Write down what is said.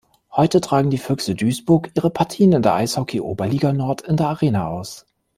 Heute tragen die Füchse Duisburg ihre Partien der Eishockey-Oberliga Nord in der Arena aus.